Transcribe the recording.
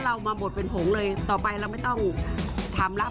ค่ะแล้วเราหมบหมดเป็นโผงเลยต่อไปเราไม่ต้องทำลัก